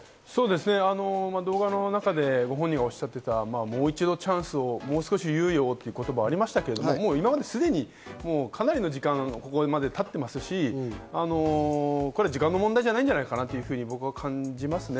動画の中で本人がおっしゃってた、もう一度チャンスを「もう少し猶予を」という言葉がありましたけど、今まですでに、かなりの時間、ここまで経っていますし、時間の問題じゃないんじゃないかなと僕は感じますね。